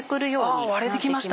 あっ割れてきました